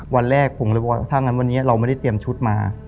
วันแรกถ้างั้นเราไม่ได้เตรียมชุดมา